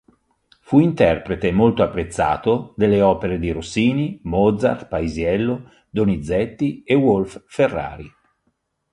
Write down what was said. Fu interprete molto apprezzato delle opere di Rossini, Mozart, Paisiello, Donizetti e Wolf-Ferrari.